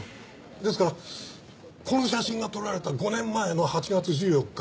ですからこの写真が撮られた５年前の８月１４日